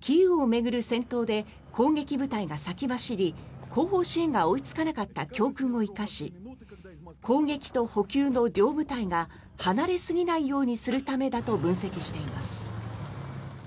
キーウを巡る戦闘で攻撃部隊が先走り後方支援が追いつかなかった教訓を生かし攻撃と補給の両部隊が離れすぎないようにするためだと分析しています。